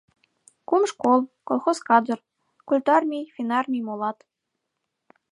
Кум школ, колхоз кадр, культармий, финармий, молат.